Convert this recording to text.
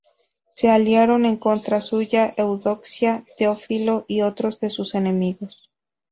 Se aliaron en contra suya Eudoxia, Teófilo y otros de sus enemigos.